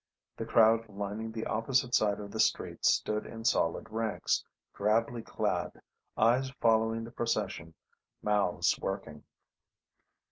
The crowd lining the opposite side of the street stood in solid ranks, drably clad, eyes following the procession, mouths working.